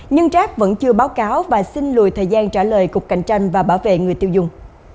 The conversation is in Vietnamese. nhưng grab vẫn chưa báo cáo và xin lùi thời gian trả lời cục cạnh tranh và bảo vệ người tiêu dùng